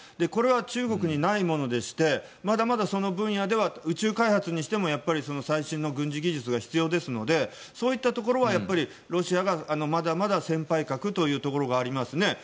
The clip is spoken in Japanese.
これは中国にないものでしてまだまだその分野では宇宙開発にしても最新の軍事技術が必要ですのでそういったところはロシアがまだまだ先輩格というところがありますね。